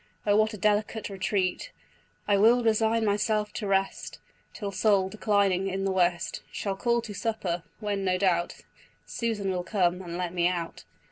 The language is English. O what a delicate retreat! I will resign myself to rest Till Sol, declining in the west, Shall call to supper, when, no doubt, Susan will come and let me out."